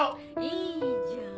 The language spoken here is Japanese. いいじゃん。